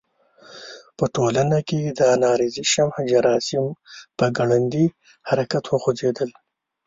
په ټولنه کې د انارشیزم جراثیم په ګړندي حرکت وخوځېدل.